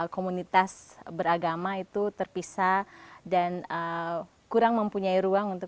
komunitas beragama itu terpisah dan kurang mempunyai ruang untuk